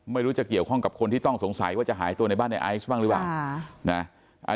ไม่รู้จะเกี่ยวข้องกับคนที่ต้องสงสัยว่าจะหายตัวในบ้านในไอซ์บ้างหรือเปล่า